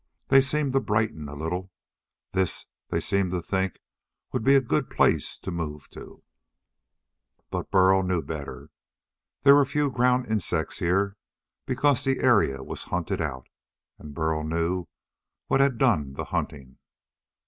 They seemed to brighten a little. This, they seemed to think, would be a good place to move to. But Burl knew better. There were few ground insects here because the area was hunted out. And Burl knew what had done the hunting.